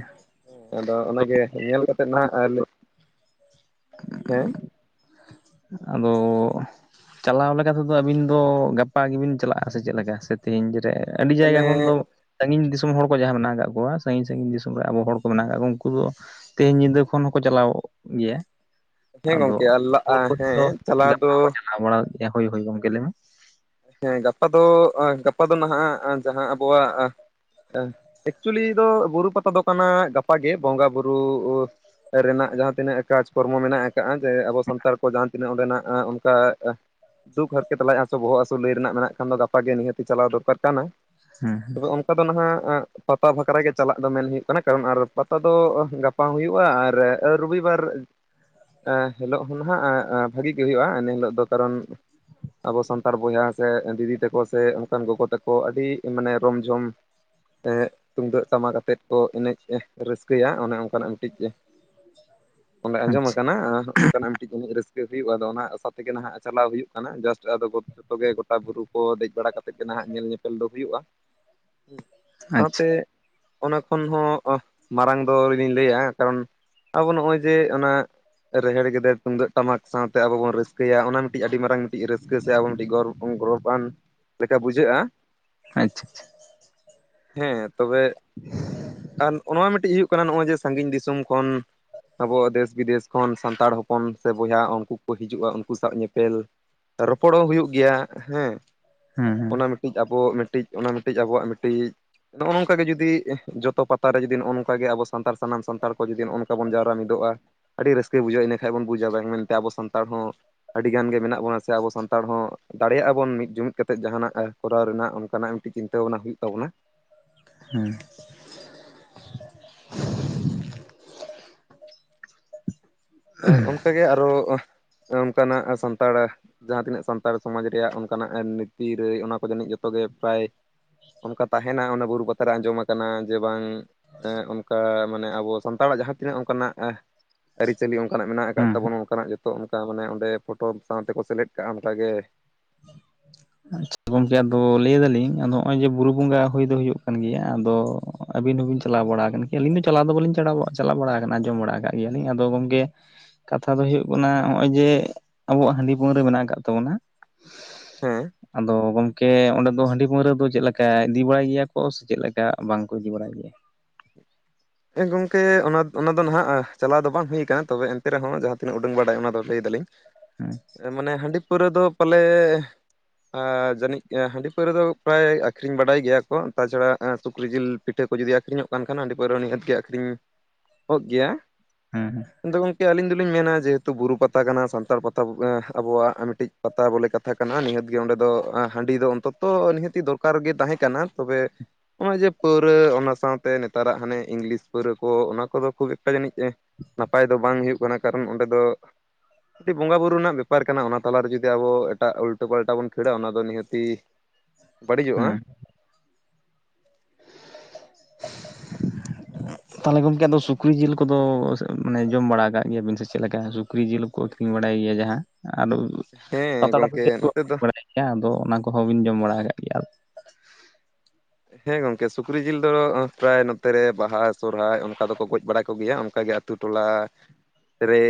[SPEAKER 1] ᱟᱫᱚ ᱚᱱᱟᱜᱮ ᱧᱮᱞ ᱠᱟᱛᱮᱜ ᱱᱟᱦᱟᱸᱜ, ᱦᱮᱸ
[SPEAKER 2] ᱟᱫᱚ ᱪᱟᱞᱟᱣ ᱞᱮᱠᱟ ᱛᱮᱫᱚ ᱟᱹᱵᱤᱱ ᱫᱚ ᱜᱟᱯᱟ ᱜᱮᱵᱤᱱ ᱪᱟᱞᱟᱜᱼᱟ ᱥᱮ ᱪᱮᱫ ᱞᱮᱠᱟ ᱥᱮ? ᱛᱮᱦᱮᱧ ᱨᱮ ᱟᱹᱰᱤ
[SPEAKER 1] ᱢᱟᱱᱮ
[SPEAKER 2] ᱡᱟᱭᱜᱟ ᱠᱷᱚᱱ ᱫᱚ ᱥᱟᱺᱜᱤᱧ ᱫᱤᱥᱚᱢ ᱦᱚᱲ ᱠᱚ ᱡᱟᱦᱟᱸᱭ ᱢᱮᱱᱟᱜ ᱟᱠᱟᱫ ᱠᱚᱣᱟ, ᱥᱟᱺᱜᱤᱧ ᱥᱟᱺᱜᱤᱧ ᱫᱤᱥᱚᱢ ᱨᱮ ᱟᱵᱚ ᱦᱚᱲ ᱠᱚ ᱢᱮᱱᱟᱜ ᱟᱠᱟᱫ ᱠᱚᱣᱟ ᱩᱱᱠᱩ ᱫᱚ ᱛᱮᱦᱮᱧ ᱧᱤᱫᱟᱹ ᱠᱷᱚᱱ ᱦᱚᱸᱠᱚ ᱪᱟᱞᱟᱣ ᱜᱮᱭᱟ᱾
[SPEAKER 1] ᱦᱮᱸ ᱜᱚᱝᱠᱮ
[SPEAKER 2] ᱟᱫᱚ
[SPEAKER 1] [unintelligible] ᱞᱟᱜ ᱦᱮᱸ
[SPEAKER 2] [unintelligible]
[SPEAKER 1] ᱪᱟᱞᱟᱣ ᱫᱚ
[SPEAKER 2] ᱪᱟᱞᱟᱣ ᱵᱟᱲᱟ ᱦᱩᱭ ᱦᱩᱭ ᱜᱚᱝᱠᱮ ᱞᱟ. ᱭ ᱢᱮ᱾
[SPEAKER 1] ᱦᱮᱸ ᱜᱟᱯᱟ ᱫᱚ ᱜᱟᱯᱟ ᱫᱚ ᱱᱟᱦᱟᱸᱜ ᱡᱟᱦᱟᱸ ᱟᱵᱚᱣᱟᱜ ᱮᱠᱪᱩᱞᱤ ᱫᱚ ᱵᱩᱨᱩ ᱯᱟᱛᱟ ᱫᱚ ᱠᱟᱱᱟ ᱜᱟᱯᱟ ᱜᱮ ᱵᱚᱸᱜᱟ ᱵᱩᱨᱩ ᱨᱮᱱᱟᱜ ᱡᱟᱦᱟᱸ ᱛᱤᱱᱟᱹᱜ ᱠᱟᱡᱽ ᱠᱚᱨᱢᱚ ᱢᱮᱱᱟᱜ ᱟᱠᱟᱫᱟ᱾ ᱠᱟᱜᱼᱟ ᱡᱮ ᱟᱵᱚ ᱥᱟᱱᱛᱟᱲ ᱠᱚ ᱡᱟᱦᱟᱸ ᱛᱤᱱᱟᱹᱜ ᱚᱸᱰᱮᱱᱟᱜ ᱚᱱᱠᱟ ᱫᱩᱠ ᱦᱟᱨᱠᱮᱛ ᱞᱟᱡ ᱦᱟᱥᱩ ᱵᱚᱦᱚᱜ ᱦᱟᱥᱩ ᱞᱟᱹᱭ ᱨᱮᱱᱟᱜ ᱢᱮᱱᱟᱜ ᱠᱷᱟᱱ ᱫᱚ ᱜᱟᱯᱟ ᱜᱮ ᱱᱤᱦᱟᱹᱛᱤ ᱪᱟᱞᱟᱣ ᱫᱚᱨᱠᱟᱨ ᱠᱟᱱᱟ,
[SPEAKER 2] ᱦᱮᱸ ᱦᱮᱸ
[SPEAKER 1] ᱛᱚᱵᱮ ᱯᱟᱛᱟ ᱫᱚ ᱱᱟᱦᱟᱸᱜ ᱯᱟᱛᱟ ᱵᱟᱠᱷᱨᱟ ᱜᱮ ᱪᱟᱞᱟᱜ ᱫᱚ ᱢᱮᱱ ᱦᱩᱭᱩᱜ ᱠᱟᱱᱟ, ᱠᱟᱨᱚᱱ ᱟᱨ ᱯᱟᱛᱟ ᱫᱚ ᱜᱟᱯᱟ [unintelligible] ᱦᱩᱭᱩᱜᱼᱟ ᱟᱨ ᱨᱚᱵᱤ ᱵᱟᱨ ᱮᱸ ᱦᱤᱞᱳᱜ ᱦᱚᱸ ᱱᱷᱟᱜ ᱵᱷᱟᱹᱜᱤ ᱜᱮ ᱦᱩᱭᱩᱜ-ᱟ, ᱮᱱᱮ ᱦᱤᱞᱳᱜ ᱫᱚ ᱠᱟᱨᱚᱱ ᱟᱵᱚ ᱥᱟᱱᱛᱟᱲᱼᱼ ᱵᱚᱭᱦᱟ ᱥᱮ ᱫᱤᱫᱤ ᱛᱟᱠᱚ ᱥᱮ ᱚᱱᱠᱟᱱ ᱜᱚᱜᱚ ᱛᱟᱠᱚ ᱟᱹᱰᱤ ᱢᱟᱱᱮ ᱨᱚᱢ-ᱡᱷᱚᱢᱼᱼ ᱮᱸᱜ ᱛᱩᱢᱫᱟᱹᱜ ᱴᱟᱢᱟᱠ ᱟᱛᱮᱫ ᱠᱚ ᱮᱱᱮᱡ ᱨᱟᱹᱥᱠᱟᱹᱭᱟ ᱚᱱᱮ ᱚᱱᱠᱟᱱᱟᱜᱼᱼ ᱠᱟᱹᱴᱤᱡ ᱮ ᱚᱸᱰᱮ ᱟᱸᱡᱚᱢ
[SPEAKER 2] ᱟᱪᱪᱷᱟ
[SPEAKER 1] ᱟᱠᱟᱱᱟ [unintelligible] ᱠᱟᱹᱴᱤᱡ ᱩᱱᱟ ᱨᱟᱹᱥᱠᱟᱹ ᱦᱩᱭᱩᱜ-ᱟ ᱟᱫᱚ ᱚᱱᱟ ᱟᱥᱟ ᱛᱮᱜᱮ ᱱᱷᱟᱸᱜ ᱪᱟᱞᱟᱣ ᱦᱩᱭᱩᱜ ᱠᱟᱱᱟ ᱡᱟᱥᱴ ᱟᱫᱚᱼᱼ ᱛᱚᱵᱮ ᱜᱚᱴᱟ ᱵᱩᱨᱩ ᱠᱚ ᱫᱮᱡ ᱵᱟᱲᱟ ᱠᱟᱛᱮᱜ ᱜᱮ ᱱᱟᱦᱟᱸᱜ ᱧᱮᱞ-ᱧᱮᱯᱮᱞ ᱫᱚ ᱦᱩᱭᱩᱜ-ᱟ᱾ ᱦᱩᱸ
[SPEAKER 2] ᱟᱪᱪᱷᱟ
[SPEAKER 1] ᱥᱟᱸᱣᱛᱮᱼᱼ ᱚᱱᱟ ᱠᱷᱚᱱ ᱦᱚᱸ ᱢᱟᱨᱟᱝ ᱫᱚ ᱟᱹᱣᱲᱤ ᱞᱤᱧ ᱞᱟᱹᱭᱟ ᱠᱟᱨᱚᱱ ᱟᱵᱚ ᱱᱚᱜ-ᱚᱭ ᱡᱮ ᱚᱱᱟᱼᱼ ᱨᱮᱦᱮᱲ ᱜᱮᱫᱮᱲ ᱛᱩᱢᱫᱟᱹᱜ ᱴᱟᱢᱟᱠ ᱥᱟᱸᱣᱛᱮ ᱟᱵᱚ ᱵᱚᱱ ᱨᱟᱹᱥᱠᱟᱹᱭᱟ ᱚᱱᱟ ᱢᱤᱫᱴᱤᱡ ᱟᱹᱰᱤ ᱢᱟᱨᱟᱝ ᱢᱤᱫᱴᱤᱡ ᱨᱟᱹᱥᱠᱟᱹ ᱥᱮ ᱟᱵᱚᱼᱼ ᱟᱹᱰᱤ ᱜᱚᱨᱚᱵᱽ, ᱜᱚᱨᱚᱵᱟᱱ ᱞᱮᱠᱟ ᱵᱩᱡᱷᱟᱹᱜ-ᱟ,
[SPEAKER 2] ᱟᱪᱪᱟ-ᱪᱷᱟ
[SPEAKER 1] ᱦᱮᱸ ᱛᱚᱵᱮ ᱟᱨ ᱚᱱᱟ ᱢᱤᱫᱴᱤᱡ ᱦᱤᱭᱩᱜᱼᱼ ᱠᱟᱱᱟ ᱱᱚᱜ-ᱚᱭ ᱡᱮ ᱥᱟᱺᱜᱤᱧ ᱫᱤᱥᱚᱢ ᱠᱷᱚᱱ ᱟᱵᱚ ᱫᱮᱥ-ᱵᱤᱫᱮᱥ ᱠᱷᱚᱱ ᱥᱟᱱᱛᱟᱲ ᱦᱚᱯᱼᱼ ᱚᱯᱚᱱ ᱥᱮ ᱵᱚᱭᱦᱟ ᱩᱱᱠᱩ ᱠᱚ ᱦᱤᱡᱩᱜ-ᱟ ᱩᱱᱠᱩ ᱥᱟᱣ ᱧᱮᱯᱮᱞ ᱨᱚᱯᱚᱲᱚᱜ ᱦᱩᱭᱩᱜᱼᱼ ᱜᱮᱭᱟ ᱦᱮᱸ
[SPEAKER 2] ᱦᱮᱸ ᱦᱮᱸ
[SPEAKER 1] ᱚᱱᱟ ᱢᱤᱫᱴᱤᱡ ᱟᱵᱚ ᱢᱤᱫᱴᱤᱡ ᱚᱱᱟ ᱢᱤᱫᱴᱤᱡ ᱟᱵᱚᱣᱟᱜ ᱢᱤᱴᱤᱡᱼᱼ ᱱᱚᱜ-ᱚ ᱱᱚᱝᱠᱟ ᱜᱮ ᱡᱩᱫᱤ ᱮᱸ ᱡᱚᱛᱚ ᱯᱟᱛᱟ ᱨᱮ ᱡᱩᱫᱤ ᱱᱚᱜ-ᱚ ᱱᱚᱝᱠᱟ ᱜᱮ ᱟᱵᱚ ᱥᱟᱱᱟᱢ ᱥᱟᱱᱛᱟᱲ ᱠᱚ ᱡᱩᱫᱤ ᱱᱚᱜ-ᱚ ᱱᱚᱝᱠᱟ ᱵᱚᱱ ᱡᱟᱣᱨᱟ ᱢᱤᱫᱚᱜ-ᱟᱼᱼ ᱟᱹᱰᱤ ᱨᱟᱹᱥᱠᱟᱹ ᱵᱩᱡᱷᱟᱹᱜ-ᱟ ᱤᱱᱟᱹ ᱠᱷᱟᱡ ᱵᱚᱱ ᱵᱩᱡᱽ-ᱟ ᱵᱟᱝ ᱢᱮᱱᱛᱮ ᱟᱵᱚ ᱥᱟᱱᱛᱟᱲ ᱦᱚᱸᱼᱼ ᱟᱹᱰᱤᱜᱟᱱ ᱜᱮ ᱢᱮᱱᱟᱜ ᱵᱚᱱᱟ ᱥᱮ ᱟᱵᱚ ᱥᱟᱱᱛᱟᱲ ᱦᱚᱸᱼᱼ ᱫᱟᱲᱮᱭᱟᱜ-ᱟ ᱵᱚᱱ ᱢᱤᱫ ᱡᱩᱢᱤᱫᱽ ᱠᱟᱛᱮᱜ ᱡᱟᱦᱟᱱᱟᱜ ᱠᱚᱨᱟᱣ ᱨᱮᱱᱟᱜ ᱚᱱᱠᱟᱱᱟᱜ ᱢᱤᱫᱴᱤᱡ ᱪᱤᱱᱛᱟᱹ ᱵᱷᱟᱵᱱᱟ ᱦᱤᱭᱩᱜ ᱛᱟᱵᱚᱱᱟ᱾
[SPEAKER 2] ᱦᱩᱸ
[SPEAKER 1] [inaudible] ᱮᱸ ᱚᱱᱠᱟᱜᱮ ᱟᱨᱚ ᱚᱱᱠᱟᱱᱟᱜ ᱥᱟᱱᱛᱟᱲᱼᱼ ᱡᱟᱦᱟ ᱛᱤᱱᱟᱹᱜ ᱥᱟᱱᱛᱟᱲ ᱥᱚᱢᱟᱡᱽ ᱨᱮᱭᱟᱜ ᱚᱱᱠᱟᱱᱟᱜ ᱱᱤᱛᱤ ᱨᱮᱹᱭ ᱚᱱᱟ ᱠᱚ ᱡᱟᱹᱱᱤᱡ ᱡᱚᱛᱚᱜ ᱜᱮ ᱯᱮᱨᱟᱭᱼᱼ ᱚᱱᱠᱟ ᱛᱟᱦᱮᱸᱱᱟ ᱚᱱᱟ ᱵᱩᱨᱩ ᱯᱟᱛᱟ ᱨᱮ ᱟᱸᱡᱚᱢ ᱟᱠᱟᱱᱟ ᱡᱮ ᱵᱟᱸᱝᱼᱼ ᱮᱸ ᱚᱱᱠᱟ ᱢᱟᱱᱮ ᱟᱵᱚ ᱥᱟᱱᱛᱟᱲᱟᱜ ᱡᱟᱦᱟᱸ ᱛᱤᱱᱟᱹᱜ ᱚᱱᱠᱟᱱᱟᱜᱼᱼ ᱪᱟᱹᱞᱤ ᱚᱱᱠᱟᱱᱟᱜ ᱢᱮᱱᱟᱜ ᱟᱠᱟᱫ
[SPEAKER 2] ᱦᱮᱸ
[SPEAKER 1] ᱛᱟᱵᱚᱱ
[SPEAKER 2] ᱦᱮᱸ
[SPEAKER 1] ᱚᱱᱠᱟᱱᱟᱜ ᱡᱚᱛᱚ ᱚᱱᱠᱟ ᱢᱟᱱᱮ ᱚᱸᱰᱮ ᱯᱚᱴᱚᱢ ᱥᱟᱸᱣᱛᱮᱠᱚ ᱥᱮᱞᱮᱫ ᱠᱟᱜ-ᱟ ᱚᱱᱠᱟᱜᱮᱼᱼ
[SPEAKER 2] ᱟᱪᱪᱷᱟ ᱜᱚᱝᱠᱮ ᱟᱫᱚ ᱞᱟᱹᱭ ᱫᱟᱞᱤᱧ ᱟᱫᱚ ᱱᱚᱜ-ᱚᱭ ᱡᱮ ᱵᱩᱨᱩ ᱵᱚᱸᱜᱟ ᱦᱩᱭ ᱫᱚ ᱦᱩᱭᱩᱜ ᱠᱟᱱ ᱜᱮᱭᱟ ᱟᱫᱚᱼᱼ ᱟᱹᱵᱤᱱ ᱦᱚᱸᱵᱤᱱ ᱪᱟᱞᱟᱣ ᱵᱟᱲᱟ ᱟᱠᱟᱱ ᱜᱮᱭᱟ ᱟᱹᱞᱤᱧᱫᱚ ᱪᱟᱞᱟᱣ ᱫᱚ ᱵᱟᱞᱤᱧ ᱪᱟᱞᱟᱣ ᱵᱟᱲᱟ ᱟᱠᱟᱱᱟ ᱟᱸᱡᱚᱢ ᱵᱟᱲᱟ ᱠᱟᱫ ᱜᱮᱭᱟᱞᱤᱧ ᱟᱫᱚ ᱜᱚᱢᱠᱮᱼᱼ ᱠᱟᱛᱷᱟ ᱫᱚ ᱦᱳᱭᱜ ᱠᱟᱱᱟ ᱦᱚᱸᱜ-ᱚᱭ ᱡᱮ ᱟᱵᱚᱣᱟᱜ ᱦᱟᱺᱰᱤ ᱯᱟᱹᱣᱨᱟᱹ ᱢᱮᱱᱟᱜ ᱟᱠᱟᱜ ᱛᱟᱵᱚᱱᱟᱼᱼ
[SPEAKER 1] ᱦᱮᱸ
[SPEAKER 2] ᱟᱫᱚ ᱜᱚᱢᱠᱮ ᱚᱸᱰᱮ ᱫᱚ ᱦᱟᱺᱰᱤ ᱯᱟᱹᱣᱨᱟᱹ ᱫᱚ ᱪᱮᱫ ᱞᱮᱠᱟ ᱤᱫᱤ ᱵᱟᱲᱟᱭ ᱜᱮᱭᱟ ᱠᱚ ᱥᱮ ᱪᱮᱫ ᱞᱮᱠᱟ ᱵᱟᱝ ᱠᱚ ᱤᱫᱤ ᱵᱟᱲᱟᱭ ᱜᱮᱭᱟ?
[SPEAKER 1] ᱦᱮᱸ ᱜᱚᱝᱠᱮ ᱚᱱᱟ ᱚᱱᱟᱫᱚ ᱱᱷᱟᱜ ᱪᱟᱞᱟᱣ ᱫᱚ ᱵᱟᱝ ᱦᱩᱭ ᱠᱟᱱᱟ ᱛᱚᱵᱮ ᱮᱱᱛᱮ ᱨᱮᱦᱚᱸ ᱡᱟᱦᱟ ᱛᱤᱱᱟᱹᱜ ᱩᱰᱟᱹᱝ ᱵᱟᱲᱟᱭ ᱚᱱᱟ ᱫᱚ ᱞᱟᱹᱭ ᱫᱟᱞᱤᱧ᱾
[SPEAKER 2] ᱦᱩᱸ
[SPEAKER 1] ᱮᱸ ᱢᱟᱱᱮ ᱦᱟᱺᱰᱤ ᱯᱟᱹᱣᱨᱟᱹ ᱫᱚ ᱯᱟᱞᱮᱼᱼ ᱟᱸ ᱡᱟᱹᱱᱤᱡ ᱦᱟᱺᱰᱤ ᱯᱟᱹᱣᱨᱟᱹ ᱫᱚ ᱯᱨᱟᱭ ᱟᱠᱷᱨᱤᱧ ᱵᱟᱰᱟᱭ ᱜᱮᱭᱟ ᱠᱚ ᱛᱟᱪᱷᱟᱲᱟ ᱥᱩᱠᱨᱤ ᱡᱤᱞᱼᱼ ᱯᱤᱴᱷᱟᱹ ᱠᱚ ᱡᱩᱫᱤ ᱟᱹᱠᱷᱨᱤᱧᱚᱜ ᱠᱟᱱ ᱠᱷᱟᱱ ᱦᱟᱺᱰᱤ ᱯᱟᱹᱣᱨᱟᱹ ᱱᱤᱦᱟᱹᱛ ᱜᱮ ᱟᱹᱠᱷᱨᱤᱧ-ᱚᱜ ᱜᱮᱭᱟ᱾
[SPEAKER 2] ᱦᱩᱸ-ᱦᱩᱸ
[SPEAKER 1] ᱟᱫᱚ ᱜᱚᱝᱠᱮ ᱟᱹᱞᱤᱧ ᱫᱚᱞᱤᱧ ᱢᱮᱱᱟ ᱡᱮᱦᱮᱛᱩ ᱵᱩᱨᱩ ᱯᱟᱛᱟ ᱠᱟᱱᱟ ᱥᱟᱱᱛᱟᱲ ᱯᱟᱛᱟ ᱮᱸ ᱟᱵᱚᱣᱟᱜ ᱢᱤᱴᱤᱡᱼᱼ ᱯᱟᱛᱟ ᱵᱚᱞᱮ ᱠᱟᱛᱷᱟ ᱠᱟᱱᱟ ᱱᱤᱦᱟᱹᱛ ᱜᱮ ᱚᱸᱰᱮ ᱫᱚ ᱦᱟᱺᱰᱤ ᱫᱚ ᱚᱱᱛᱚᱛᱚ ᱱᱤᱦᱟᱹᱛᱤ ᱫᱚᱨᱠᱟᱨ ᱜᱮ ᱛᱟᱦᱮᱸ ᱠᱟᱱᱟ, ᱛᱚᱵᱮᱼᱼ ᱱᱚᱜ-ᱚᱭ ᱡᱮ ᱯᱟᱹᱣᱨᱟᱹ ᱚᱱᱟ ᱥᱟᱸᱣᱛᱮ ᱱᱮᱛᱟᱨᱟᱜ ᱦᱟᱱᱮ ᱤᱝᱞᱤᱥᱼᱼ ᱯᱟᱹᱣᱨᱟᱹ ᱠᱚ ᱚᱱᱟ ᱠᱚᱫᱚ ᱠᱷᱩᱵᱽ ᱮᱠᱴᱟ ᱡᱟᱹᱱᱤᱡ ᱱᱟᱯᱟᱭ ᱫᱚ ᱵᱟᱝ ᱦᱩᱭᱩᱜ ᱠᱟᱱᱟ ᱠᱟᱨᱚᱱ ᱚᱸᱰᱮ ᱫᱚᱼᱼ ᱠᱟᱹᱴᱤᱡ ᱵᱚᱸᱜᱟ ᱵᱩᱨᱩ ᱨᱮᱱᱟᱜ ᱵᱮᱯᱟᱨ ᱠᱟᱱᱟ ᱚᱱᱟ ᱛᱟᱞᱟᱨᱮ ᱡᱩᱫᱤ ᱟᱵᱚ ᱮᱴᱟᱜ ᱩᱞᱴᱟᱹ ᱯᱟᱞᱴᱟ ᱵᱚᱱ ᱠᱷᱟᱹᱲᱟ ᱚᱱᱟ ᱫᱚ ᱱᱤᱦᱟᱹᱛᱤᱼᱼ
[SPEAKER 2] [inaudible] ᱦᱮᱸ
[SPEAKER 1] ᱵᱟᱹᱲᱤᱡᱚᱜ-ᱟ
[SPEAKER 2] [inaudible] ᱛᱟᱦᱚᱞᱮ ᱜᱚᱢᱠᱮ ᱟᱫᱚ ᱥᱩᱠᱨᱤ ᱡᱤᱞ ᱠᱚᱫᱚ ᱢᱟᱱᱮ ᱡᱚᱢ ᱵᱟᱲᱟ ᱟᱠᱟᱜ ᱜᱮᱭᱟ ᱵᱤᱱ ᱥᱮ ᱪᱮᱫ ᱞᱮᱠᱟ? ᱥᱩᱠᱨᱤ ᱡᱤᱞ ᱠᱚ ᱟᱹᱠᱷᱨᱤᱧ ᱵᱟᱲᱟᱭ ᱜᱮᱭᱟ ᱡᱟᱦᱟᱸ, ᱟᱫᱚ
[SPEAKER 1] ᱦᱮᱸ
[SPEAKER 2] ᱯᱟᱛᱲᱟ ᱠᱚ
[SPEAKER 1] ᱜᱚᱝᱠᱮ ᱱᱚᱛᱮ ᱫᱚ
[SPEAKER 2] ᱟᱹᱠᱷᱨᱤᱧ ᱵᱟᱲᱟᱭᱟ ᱜᱮᱭᱟ᱾ ᱟᱫᱚ ᱚᱱᱟ ᱠᱚᱦᱚᱸ ᱵᱤᱱ ᱡᱚᱢ ᱵᱟᱲᱟ ᱟᱠᱟᱜ ᱜᱮᱭᱟ ᱾
[SPEAKER 1] ᱦᱮᱸ ᱜᱚᱝᱠᱮ ᱥᱩᱠᱨᱤ ᱡᱤᱞ ᱫᱚ ᱯᱨᱟᱭ ᱱᱚᱛᱮ ᱨᱮ ᱵᱟᱦᱟ ᱥᱚᱨᱚᱦᱟᱭ ᱚᱱᱠᱟ ᱫᱚᱠᱚ ᱜᱚᱡ ᱵᱟᱲᱟ ᱠᱚᱜᱮᱭᱟ ᱚᱱᱠᱟ ᱜᱮ ᱟᱛᱳ ᱴᱚᱞᱟ ᱨᱮ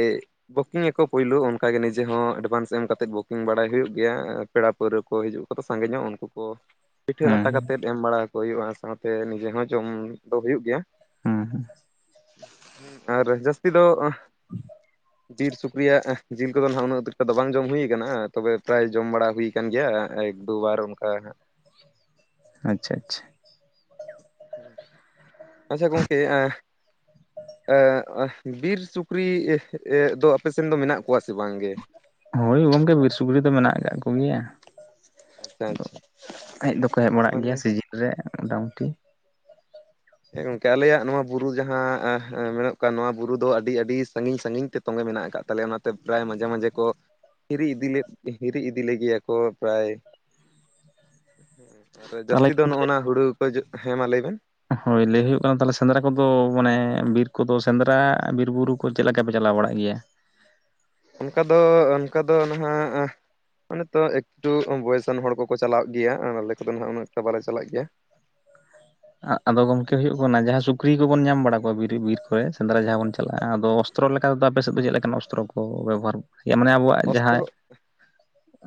[SPEAKER 1] ᱵᱩᱠᱤᱝ ᱟᱠᱚ ᱯᱳᱭᱞᱳ᱾ ᱚᱱᱠᱟ ᱜᱮ ᱱᱤᱡᱮ ᱦᱚᱸ ᱮᱵᱷᱟᱱᱥ ᱮᱢ ᱠᱟᱛᱮᱫ ᱵᱩᱠᱤᱝ ᱵᱟᱲᱟᱭ ᱦᱩᱭᱩᱜ ᱜᱮᱭᱟ ᱾ ᱯᱮᱲᱟ ᱯᱟᱹᱣᱨᱟᱹ ᱠᱚ ᱦᱤᱡᱩᱜ ᱟᱠᱚ ᱛ ᱥᱟᱸᱜᱮ ᱧᱚᱜ ᱩᱱᱠᱩ ᱠᱚ ᱾
[SPEAKER 2] [inaudible]
[SPEAKER 1] ᱯᱤᱴᱷᱟᱹ ᱞᱟᱴᱟ ᱠᱟᱛᱮᱜ ᱮᱢ ᱵᱟᱲᱟ ᱠᱚ ᱦᱩᱭᱩᱜᱼᱟ, ᱥᱟᱶᱛᱮ ᱱᱤᱡᱮ ᱦᱚᱸ ᱡᱚᱢ ᱫᱚ ᱦᱩᱭᱩᱜ ᱜᱮᱭᱟ ᱾
[SPEAKER 2] ᱦᱩᱸ ᱦᱮᱸ ᱾
[SPEAKER 1] ᱦᱮᱸ ᱟᱨ ᱡᱟᱹᱥᱛᱤ ᱫᱚ
[SPEAKER 2] [inaudible]
[SPEAKER 1] ᱵᱤᱨ ᱥᱩᱠᱨᱤᱭᱟᱜ ᱡᱤᱞ ᱠᱚᱫᱚ ᱱᱟᱦᱟᱜ ᱩᱱᱟᱹᱜ ᱩᱛᱤᱹᱨᱤᱛᱚ ᱫᱚ ᱵᱟᱝ ᱡᱚᱢ ᱦᱩᱭ ᱟᱠᱟᱱᱟ᱾ ᱛᱚᱵᱮ ᱯᱨᱟᱭ ᱡᱚᱢ ᱵᱟᱲᱟ ᱦᱩᱭ ᱠᱟᱱ ᱜᱮᱭᱟ ᱮᱠ ᱫᱩᱵᱟᱨ ᱚᱱᱠᱟ ᱦᱟᱸᱜ ᱾
[SPEAKER 2] ᱟᱪᱪᱷᱟ ᱟᱪᱪᱷᱟ ᱾
[SPEAKER 1] [inaudible] ᱟᱪᱪᱷᱟ ᱜᱚᱝᱠᱮ ᱵᱤᱨ ᱥᱩᱠᱨᱤ ᱫᱚ ᱟᱯᱮ ᱥᱮᱱ ᱫᱚ ᱢᱮᱱᱟᱜ ᱠᱚᱣᱟ ᱥᱮ ᱵᱟᱝ ᱜᱮ?
[SPEAKER 2] ᱦᱳᱭ ᱜᱚᱝᱠᱮ ᱵᱤᱨ ᱥᱩᱠᱨᱤ ᱫᱚ ᱢᱮᱱᱟᱜ ᱟᱠᱟᱜ ᱠᱚᱜᱮᱭᱟ ᱾
[SPEAKER 1] ᱟᱪᱪᱷᱟ
[SPEAKER 2] ᱟᱫᱚ
[SPEAKER 1] ᱟᱪᱪᱷᱟ
[SPEAKER 2] ᱦᱮᱡ ᱫᱚᱠᱚ ᱦᱮᱡ ᱵᱟᱲᱟᱜ
[SPEAKER 1] ᱢᱟᱱᱮ
[SPEAKER 2] ᱜᱮᱭᱟ ᱥᱤᱡᱤᱱ ᱨᱮ ᱢᱚᱴᱟᱢᱩᱴᱤ ᱾
[SPEAKER 1] ᱦᱮᱸ ᱜᱚᱝᱠᱮ ᱟᱞᱮᱭᱟᱜ ᱱᱚᱣᱟ ᱵᱩᱨᱩ ᱡᱟᱦᱟᱸ ᱢᱮᱱᱚᱜ ᱠᱟᱱ ᱱᱚᱣᱟ ᱵᱩᱨᱩ ᱫᱚ ᱟᱹᱰᱤ, ᱟᱹᱰᱤ ᱥᱟᱺᱜᱤᱧ ᱥᱟᱺᱜᱤᱧ ᱛᱮ ᱛᱚᱜᱮ ᱢᱮᱱᱟᱜ ᱟᱠᱟᱫ ᱛᱟᱞᱮᱭᱟ ᱚᱱᱟᱛᱮ ᱯᱨᱟᱭ ᱢᱟᱡᱷᱮ ᱢᱟᱡᱷᱮ ᱠᱚ ᱦᱤᱨᱤ ᱤᱫᱤᱞᱮᱜ ᱦᱤᱨᱤ ᱤᱫᱤᱞ ᱞᱮᱜᱮᱭᱟ ᱠᱚ ᱯᱨᱟᱭ ᱟᱨ
[SPEAKER 2] ᱛᱟᱦᱚᱞᱮ
[SPEAKER 1] ᱡᱟᱹᱥᱛᱤ ᱫᱚ
[SPEAKER 2] ᱜᱚᱢᱠᱮ
[SPEAKER 1] ᱱᱚᱜᱼᱚ ᱱᱟ ᱦᱩᱲᱩ ᱜᱮ ᱦᱮᱸ ᱢᱟ ᱞᱟᱹᱭ ᱵᱮᱱ
[SPEAKER 2] ᱦᱳᱭ ᱞᱟᱹᱭ ᱦᱩᱭᱩᱜ ᱠᱟᱱᱟ ᱛᱟᱦᱚᱞᱮ ᱥᱮᱸᱫᱽᱨᱟ ᱠᱚᱫᱚ ᱢᱟᱱᱮ ᱵᱤᱨ ᱠᱚᱫᱚ ᱥᱮᱸᱫᱽᱨᱟ ᱵᱤᱨ ᱵᱩᱨᱩ ᱠᱚ ᱪᱮᱫ ᱞᱮᱠᱟ ᱯᱮ ᱪᱟᱞᱟᱣ ᱵᱟᱲᱟᱜ ᱜᱮᱭᱟ ᱾
[SPEAKER 1] ᱚᱱᱠᱟ ᱫᱚ ᱚᱱᱠᱟ ᱫᱚ ᱱᱟᱦᱟᱜ ᱚᱱᱮ ᱛᱚ ᱮᱠᱴᱩ ᱵᱚᱭᱮᱥᱟᱱ ᱦᱚᱲ ᱠᱚᱠᱚ ᱪᱟᱞᱟᱜ ᱜᱮᱭᱟ ᱾ ᱟᱞᱮ ᱠᱚᱫᱚ ᱩᱱᱟᱹ ᱮᱠᱴᱟ ᱵᱟᱞᱮ ᱪᱟᱞᱟᱜ ᱜᱮᱭᱟ ᱾
[SPEAKER 2] ᱟᱫᱚ ᱜᱚᱝᱠᱮ ᱦᱩᱭᱩᱜ ᱠᱟᱱᱟ ᱡᱟᱦᱟᱸ ᱥᱩᱠᱨᱤ ᱠᱚᱵᱚᱱ ᱧᱟᱢ ᱵᱟᱲᱟ ᱠᱚᱣᱟ ᱵᱤᱨ, ᱵᱤᱨ ᱠᱚᱨᱮ ᱥᱮᱸᱫᱽᱨᱟ ᱡᱟᱦᱟᱸ ᱵᱚᱱ ᱪᱟᱞᱟᱜ-ᱟ ᱟᱫᱚ ᱚᱥᱛᱨᱚ ᱞᱮᱠᱟ ᱛᱮᱫᱚ ᱟᱯᱮ ᱥᱮᱫ ᱫᱚ ᱪᱮᱫ ᱞᱮᱠᱟᱱ ᱚᱥᱛᱨᱚ ᱠᱚ ᱵᱮᱵᱚᱦᱟᱨ ᱢᱟᱱᱮ ᱟᱵᱚᱣᱟᱜ
[SPEAKER 1] ᱚᱥᱛᱨᱚ
[SPEAKER 2] ᱡᱟᱦᱟᱸ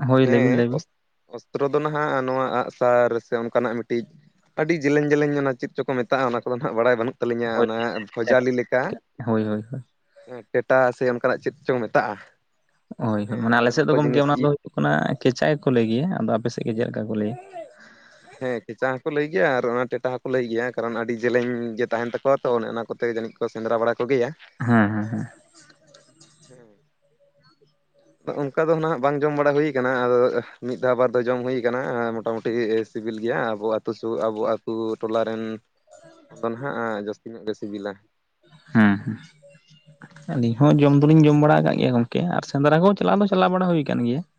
[SPEAKER 2] ᱦᱳᱭ ᱞᱟᱹᱭ ᱵᱤᱱ,
[SPEAKER 1] ᱦᱮᱸ
[SPEAKER 2] ᱞᱟᱹᱭ ᱵᱤᱱ
[SPEAKER 1] ᱚᱥ- ᱚᱥᱛᱨᱚ ᱫᱚ ᱱᱟᱦᱟᱜ ᱱᱚᱣᱟ ᱟᱜ-ᱥᱟᱨ ᱥᱮ ᱚᱱᱠᱟ ᱱᱟᱜ ᱢᱤᱫᱴᱤᱡ ᱟᱹᱰᱤ ᱡᱮᱞᱮᱧ ᱡᱮᱞᱮᱧ ᱚᱱᱟ ᱪᱮᱫ ᱪᱚᱠᱚ ᱢᱮᱛᱟᱜ-ᱟ᱾ ᱚᱱᱟ ᱠᱚᱫᱚ ᱱᱟᱦᱟᱜ ᱵᱟᱲᱟᱭ ᱵᱟᱹᱱᱩᱜ ᱛᱟᱞᱤᱧᱟ
[SPEAKER 2] ᱦᱳᱭ
[SPEAKER 1] ᱚᱱᱟ ᱵᱷᱚᱡᱟᱞᱤ ᱞᱮᱠᱟ
[SPEAKER 2] ᱦᱳᱭ ᱦᱳᱭ
[SPEAKER 1] ᱮᱸ ᱴᱮᱴᱟ ᱥᱮ ᱚᱱᱠᱟᱱᱟᱜ ᱪᱮᱫ ᱪᱚᱝ ᱢᱮᱛᱟᱜ-ᱟ ᱾
[SPEAKER 2] ᱦᱳᱭ ᱢᱟᱱᱮ ᱟᱞᱮ ᱥᱮᱫ ᱫᱚ ᱜᱚᱢᱠᱮ ᱚᱱᱟ
[SPEAKER 1] ᱤ
[SPEAKER 2] ᱫᱚ ᱦᱩᱭᱩᱜ ᱠᱟᱱᱟ ᱠᱷᱮᱪᱟ ᱜᱮᱠᱚ ᱞᱟᱹᱭ ᱜᱮᱭᱟ ᱾ ᱟᱫᱚ ᱟᱯᱮ ᱥᱮᱫ ᱜᱮ ᱪᱮᱫ ᱞᱮᱠᱟ ᱠᱚ ᱞᱟᱹᱭᱟ?
[SPEAKER 1] ᱦᱮᱸ ᱠᱷᱮᱪᱟ ᱦᱚᱸᱠᱚ ᱞᱟᱹᱭ ᱜᱮᱭᱟ ᱟᱨ ᱚᱱᱟ ᱴᱮᱴᱟ ᱦᱚᱸᱠᱚ ᱞᱟᱹᱭ ᱜᱮᱭᱟ᱾ ᱠᱟᱨᱚᱱ ᱟᱹᱰᱤ ᱡᱮᱞᱮᱧ ᱜᱮ ᱛᱟᱦᱮᱱ ᱛᱟᱠᱚᱣᱟ ᱛᱚ ᱚᱱᱮ ᱚᱱᱟ ᱠᱚᱛᱮ ᱡᱟᱹᱱᱤᱡ ᱠᱚ ᱥᱮᱸᱫᱽᱨᱟ ᱵᱟᱲᱟ ᱠᱚᱜᱮᱭᱟ ᱾
[SPEAKER 2] ᱦᱮᱸ ᱦᱮᱸ ᱦᱮᱸ ᱾
[SPEAKER 1] ᱦᱮᱸ ᱚᱱᱠᱟ ᱫᱚ ᱱᱟᱜ ᱵᱟᱝ ᱡᱚᱢ ᱵᱟᱲᱟ ᱦᱩᱭ ᱠᱟᱱᱟ ᱾ ᱟᱫᱚ ᱢᱤᱫ ᱫᱷᱟᱣ ᱵᱟᱨ ᱫᱷᱟᱣ ᱡᱚᱢ ᱦᱩᱭ ᱟᱠᱟᱱᱟ ᱢᱚᱴᱟᱢᱩᱴᱤ ᱥᱤᱵᱤᱞ ᱜᱮᱭᱟ᱾ ᱟᱵᱚ ᱟᱛᱩ ᱥᱚ ᱟᱵᱚ ᱟᱛᱩ ᱴᱚᱞᱟ ᱨᱮᱱ ᱟᱫᱚ ᱱᱟᱦᱟᱜ-ᱟ ᱡᱟᱹᱥᱛᱤ ᱧᱚᱜ ᱜᱮ ᱥᱤᱵᱤᱞᱟ ᱾
[SPEAKER 2] ᱦᱮᱸ ᱦᱮᱸ ᱾ ᱟᱹᱞᱤᱧ ᱦᱚᱸ ᱡᱚᱢ ᱫᱚᱞᱤᱧ ᱡᱚᱢ ᱵᱟᱲᱟ ᱟᱠᱟᱫ ᱜᱮᱭᱟ ᱜᱚᱝᱠᱮ, ᱟᱨ ᱥᱮᱸᱫᱽᱨᱟ ᱠᱚ ᱪᱟᱞᱟᱣ ᱫᱚ ᱪᱟᱞᱟᱣ ᱵᱟᱲᱟ ᱦᱩᱭ ᱟᱠᱟᱱ ᱜᱮᱭᱟ ᱾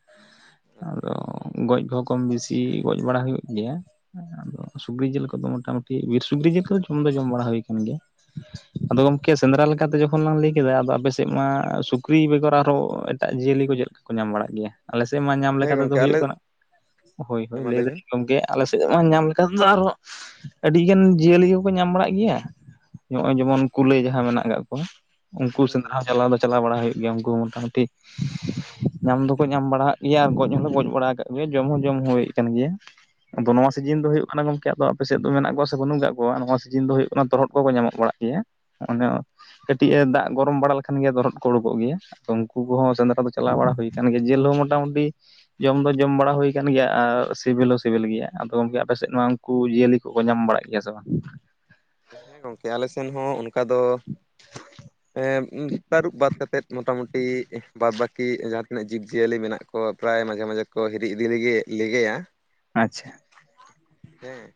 [SPEAKER 2] [inaudible]
[SPEAKER 1] ᱟᱪᱪᱷᱟ,
[SPEAKER 2] ᱜᱚᱡ ᱠᱚᱦᱚᱸ ᱠᱚᱢ ᱵᱮᱥᱤ ᱜᱚᱡ ᱵᱟᱲᱟ ᱦᱩᱭᱩᱜ ᱜᱮᱭᱟ, ᱟᱫᱚ ᱥᱩᱠᱨᱤ ᱡᱤᱞ ᱠᱚᱫᱚ ᱢᱳᱴᱟ ᱢᱩᱴᱤ ᱵᱤᱨ ᱥᱩᱠᱨᱤ ᱡᱤᱞ ᱠᱚ ᱡᱚᱢ ᱫᱚ ᱡᱚᱢ ᱵᱟᱲᱟ ᱦᱩᱭ ᱟᱠᱟᱱ ᱜᱮᱭᱟ᱾ ᱟᱫᱚ ᱜᱚᱢᱠᱮ ᱥᱮᱸᱫᱽᱨᱟ ᱞᱮᱠᱟᱛᱮ ᱡᱚᱠᱷᱚᱱ ᱞᱟᱝ ᱞᱟᱹᱭ ᱠᱮᱫᱟ, ᱟᱫᱚ ᱟᱯᱮᱥᱮᱫ ᱢᱟ ᱥᱩᱠᱨᱤ ᱵᱮᱜᱚᱨ ᱟᱨᱦᱚᱸ ᱮᱴᱟᱜ ᱡᱤᱭᱟᱹᱞᱤ ᱠᱚ ᱪᱮᱫ ᱞᱮᱠᱟ? ᱧᱟᱢ ᱵᱟᱲᱟᱜ ᱜᱮᱭᱟ, ᱟᱞᱮ ᱥᱮᱫ ᱢᱟ ᱧᱟᱢ
[SPEAKER 1] ᱦᱮᱸ
[SPEAKER 2] ᱞᱮᱠᱟ ᱛᱮᱫᱚ
[SPEAKER 1] ᱜᱚᱝᱠᱮ
[SPEAKER 2] ᱦᱩᱭᱩᱜ
[SPEAKER 1] ᱟᱞᱮ
[SPEAKER 2] ᱠᱟᱱᱟ ᱦᱳᱭ
[SPEAKER 1] ᱦᱮᱸ
[SPEAKER 2] ᱦᱳᱭ
[SPEAKER 1] ᱢᱟ
[SPEAKER 2] ᱞᱟᱹᱭ
[SPEAKER 1] ᱵᱮᱱ
[SPEAKER 2] ᱫᱟᱹᱞᱤᱧ ᱜᱚᱢᱠᱮ ᱟᱞᱮ ᱥᱮᱫ ᱢᱟ ᱧᱟᱢ ᱞᱮᱠᱷᱟᱱ ᱫᱚ ᱟᱨᱦᱚᱸ ᱟᱹᱰᱤ ᱜᱟᱱ ᱡᱤᱭᱟᱹᱞᱤ ᱠᱚᱠᱚ ᱧᱟᱢ ᱵᱟᱲᱟᱜ ᱜᱤᱭᱟ᱾ ᱱᱚᱜ ᱚᱭ ᱡᱮᱢᱚᱱ ᱠᱩᱞᱟᱹᱭ ᱡᱟᱦᱟᱸ ᱢᱮᱱᱟᱜ ᱠᱟᱜ ᱠᱚᱣᱟ ᱩᱱᱠᱩ ᱥᱮᱸᱫᱽᱨᱟ
[SPEAKER 1] ᱦᱮᱸ
[SPEAKER 2] ᱪᱟᱞᱟᱣ ᱫᱚ ᱪᱟᱞᱟᱣ ᱵᱟᱲᱟ ᱦᱩᱭᱩᱜ ᱜᱮᱭᱟ ᱩᱱᱠᱩ ᱢᱚᱴᱟ ᱢᱩᱴᱤ ᱧᱟᱢ ᱫᱚᱠᱚ ᱧᱟᱢ ᱵᱟᱲᱟᱜ ᱜᱮᱭᱟ ᱟᱨ ᱜᱚᱡ ᱦᱚᱸᱞᱮ ᱜᱚᱡ ᱵᱟᱲᱟ ᱠᱟᱜ ᱜᱮᱭᱟ ᱡᱚᱢ ᱦᱚᱸ ᱡᱚᱢ ᱦᱩᱭ ᱟᱠᱟᱱ ᱜᱮᱭᱟ᱾ ᱟᱫᱚ ᱱᱚᱣᱟ ᱥᱤᱡᱤᱱ ᱫᱚ ᱦᱩᱭᱩᱜ ᱠᱟᱱᱟ ᱜᱚᱝᱠᱮ ᱟᱫᱚ ᱟᱯᱮ ᱥᱮᱫ ᱫᱚ ᱢᱮᱱᱟᱜ ᱠᱚᱣᱟ ᱥᱮ ᱵᱟᱹᱱᱩᱜ ᱠᱟᱜ ᱠᱚᱣᱟ ᱱᱚᱣᱟ ᱥᱤᱡᱤᱱ ᱫᱚ ᱦᱩᱭᱩᱜ ᱠᱟᱱᱟ ᱛᱚᱨᱦᱚᱫ ᱠᱚᱠᱚ ᱧᱟᱢᱚᱜ ᱵᱟᱲᱟᱜ ᱜᱮᱭᱟ, ᱚᱱᱮ ᱠᱟᱹᱴᱤᱡ ᱮ ᱫᱟᱜ ᱜᱚᱨᱚᱢ ᱵᱟᱲᱟ ᱞᱮᱠᱷᱟᱱ ᱜᱮ ᱫᱚᱨᱦᱚᱫ ᱠᱚ ᱩᱰᱩᱠᱚᱜ ᱜᱮᱭᱟ᱾ ᱛᱚ ᱩᱱᱠᱩ ᱠᱚᱦᱚᱸ ᱥᱮᱸᱫᱽᱨᱟ ᱫᱚ ᱪᱟᱞᱟᱣ ᱵᱟᱲᱟ ᱦᱩᱭ ᱟᱠᱟᱱ ᱜᱮᱭᱟ ᱡᱮᱞ ᱦᱚᱸ ᱢᱚᱴᱟ ᱢᱩᱴᱤ ᱡᱚᱢ ᱫᱚ ᱡᱚᱢ ᱵᱟᱲᱟ ᱦᱩᱭ ᱟᱠᱟᱱ ᱜᱮᱭᱟ ᱟᱨ ᱥᱤᱵᱤᱞ ᱦᱚᱸ ᱥᱤᱵᱤᱞ ᱜᱮᱭᱟ, ᱟᱫᱚ ᱜᱚᱢᱠᱮ ᱟᱯᱮ ᱥᱮᱫ ᱢᱟ ᱩᱱᱠᱩ ᱡᱤᱭᱟᱹᱞᱤ ᱠᱚᱠᱚ ᱧᱟᱢ ᱵᱟᱲᱟᱜ ᱜᱮᱭᱟ ᱥᱮ ᱵᱟᱝ?
[SPEAKER 1] ᱦᱮᱸ ᱜᱚᱝᱠᱮ ᱟᱞᱮ ᱥᱮᱱ ᱦᱚᱸ ᱚᱱᱠᱟ ᱫᱚ ᱮᱫ ᱩᱸᱦ ᱛᱟᱹᱨᱩᱵ ᱵᱟᱫ ᱠᱟᱛᱮᱫ ᱢᱚᱴᱟᱢᱩᱴᱤ ᱵᱟᱫᱽ ᱵᱟᱹᱠᱤ ᱡᱟᱦᱟᱸ ᱛᱤᱱᱟᱹᱜ ᱡᱤᱵᱽ ᱡᱤᱭᱟᱹᱞᱤ ᱢᱮᱱᱟᱜ ᱠᱚᱣᱟ ᱯᱨᱟᱭ ᱢᱟᱡᱷᱮ ᱢᱟᱡᱷᱮ ᱠᱚ ᱦᱤᱨᱤ ᱤᱫᱤ ᱞᱮᱜᱮ ᱞᱮᱜᱮᱭᱟ ᱾
[SPEAKER 2] ᱟᱪᱪᱷᱟ,
[SPEAKER 1] ᱦᱮᱸ,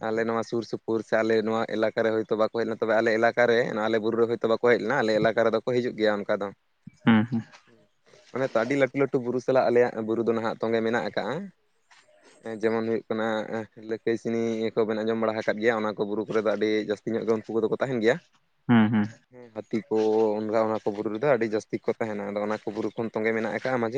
[SPEAKER 1] ᱟᱞᱮ ᱱᱚᱣᱟ ᱥᱩᱨ ᱥᱩᱯᱩᱨ ᱥᱮ ᱟᱞᱮ ᱱᱚᱣᱟ ᱮᱞᱟᱠᱟᱨᱮ ᱦᱳᱭᱛᱚ ᱵᱟᱠᱚ ᱦᱮᱡᱞᱮᱱᱟ ᱛᱚᱵᱮ ᱟᱞᱮ ᱮᱞᱟᱠᱟᱨᱮ ᱟᱞᱮ ᱵᱩᱨᱩ ᱨᱮ ᱦᱳᱭᱛᱳ ᱵᱟ ᱠᱚ ᱦᱮᱡ ᱞᱮᱱᱟ ᱟᱞᱮ ᱮᱞᱟᱠᱟ ᱨᱮᱫᱚ ᱠᱚ ᱦᱤᱡᱩᱜ ᱜᱮᱭᱟ ᱚᱱᱠᱟ ᱫᱚ᱾
[SPEAKER 2] ᱦᱩᱸ ᱦᱩᱸ,
[SPEAKER 1] ᱚᱱᱮ ᱛᱚ ᱟᱹᱰᱤ ᱞᱟᱹᱴᱩ ᱞᱟᱹᱴᱩ ᱵᱩᱨᱩ ᱥᱟᱞᱟᱜ ᱟᱞᱮᱭᱟᱜ ᱵᱩᱨᱩ ᱫᱚ ᱱᱟᱦᱟᱜ ᱛᱚᱸᱜᱮ ᱢᱮᱱᱟᱜ ᱟᱠᱟᱜ-ᱟ ᱡᱮᱢᱚᱱ ᱦᱩᱭᱩᱜ ᱠᱟᱱᱟ ᱞᱟᱹᱠᱟᱹᱥ ᱥᱤᱱᱤ ᱤᱭᱟᱹ ᱠᱚᱵᱮᱱ ᱟᱸᱡᱚᱢ ᱵᱟᱲᱟ ᱟᱠᱟᱫ ᱜᱮᱭᱟ ᱚᱱᱟ ᱠᱚ ᱵᱩᱨᱩ ᱠᱚᱨᱮ ᱫᱚ ᱟᱹᱰᱤ ᱡᱟᱹᱥᱛᱤ ᱧᱚᱜ ᱜᱮ ᱩᱱᱠᱩ ᱠᱚᱫᱚ ᱠᱚ ᱛᱟᱦᱮᱱ ᱜᱮᱭᱟ᱾
[SPEAKER 2] ᱦᱩᱸ ᱦᱩᱸ,
[SPEAKER 1] ᱦᱮᱸ ᱦᱟᱹᱛᱤ ᱠᱚ ᱚᱱᱜᱟ ᱚᱱᱟ ᱠᱚ ᱵᱩᱨᱩ ᱨᱮᱫᱚ ᱟᱹᱰᱤ ᱡᱟᱹᱥᱛᱤ ᱠᱚ ᱛᱟᱦᱮᱱᱟ ᱟᱫᱚ ᱚᱱᱟ ᱠᱚ ᱵᱩᱨᱩ ᱠᱷᱚᱱ ᱛᱚᱸᱜᱮ ᱢᱮᱱᱟᱜ ᱟᱠᱟᱫ-ᱟ ᱢᱟᱡᱷᱮ